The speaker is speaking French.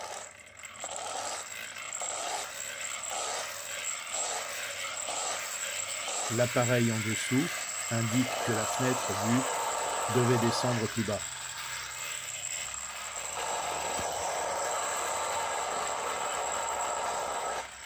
L'appareil en dessous indique que la fenêtre du devait descendre plus bas.